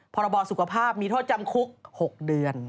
พรบสุขภาพมีโทษจำคุก๖เดือน